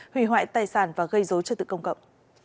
hủy hoại tài sản và gây dối trật tự công cộng